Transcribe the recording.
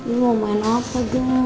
ini mau main apa geng